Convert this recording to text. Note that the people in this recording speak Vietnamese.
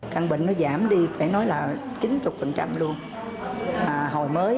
căn bệnh nó giảm đi phải nói là